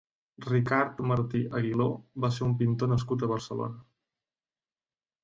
Ricard Martí Aguiló va ser un pintor nascut a Barcelona.